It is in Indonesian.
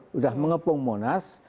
sudah mengepung monas